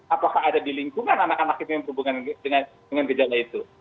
apakah ada di lingkungan anak anak itu yang berhubungan dengan gejala itu